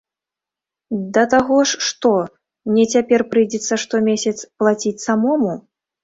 Да таго ж, што, мне цяпер прыйдзецца штомесяц плаціць самому?